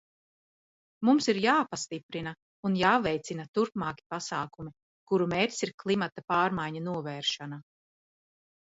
Mums ir jāpastiprina un jāveicina turpmāki pasākumi, kuru mērķis ir klimata pārmaiņu novēršana.